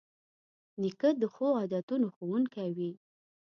نیکه د ښو عادتونو ښوونکی وي.